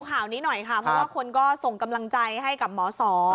ข่าวนี้หน่อยค่ะเพราะว่าคนก็ส่งกำลังใจให้กับหมอสอ